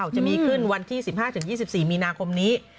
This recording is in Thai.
จะมีขึ้นวันที่๑๕๒๔มีนาคมนี้